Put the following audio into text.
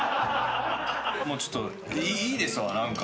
もうちょっといいですわ何か。